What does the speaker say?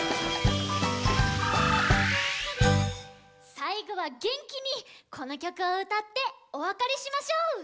さいごはげんきにこのきょくをうたっておわかれしましょう！